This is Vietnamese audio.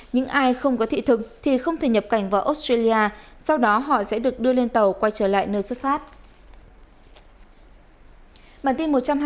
những ai không có thị thực thì không thể nhập cảnh vào australia sau đó họ sẽ được đưa lên tàu quay trở lại nơi xuất phát